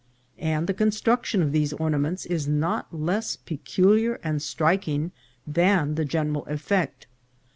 And the construction of these or naments is not less peculiar and striking than the gen eral effect.